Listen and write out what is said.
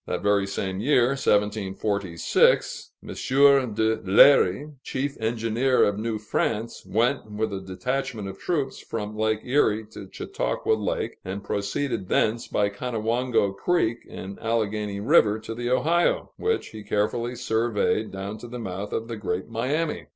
That very same year (1746), M. de Léry, chief engineer of New France, went with a detachment of troops from Lake Erie to Chautauqua Lake, and proceeded thence by Conewango Creek and Alleghany River to the Ohio, which he carefully surveyed down to the mouth of the Great Miami.